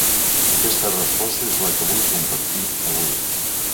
Aquesta resposta és la que vull compartir avui.